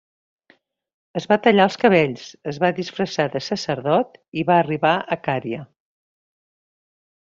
Es va tallar els cabells, es va disfressar de sacerdot i va arribar a Cària.